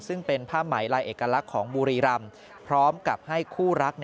ซึ่งเป็นผ้าไหมลายเอกลักษณ์ของบุรีรำพร้อมกับให้คู่รัก